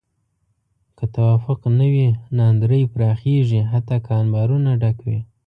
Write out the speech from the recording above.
که توافق نه وي، ناندرۍ پراخېږي حتی که انبارونه ډک وي.